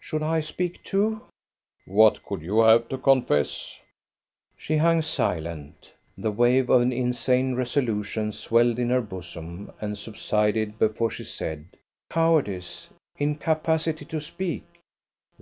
"Should I speak too?" "What could you have to confess?" She hung silent; the wave of an insane resolution swelled in her bosom and subsided before she said, "Cowardice, incapacity to speak."